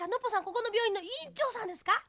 ここの病院のいんちょうさんですか？